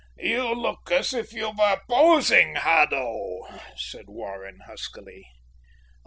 "You look as if you were posing, Haddo," said Warren huskily.